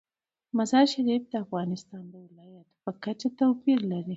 مزارشریف د افغانستان د ولایاتو په کچه توپیر لري.